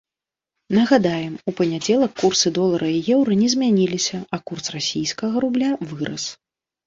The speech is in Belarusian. Нагадаем, у панядзелак курсы долара і еўра не змяніліся, а курс расійскага рубля вырас.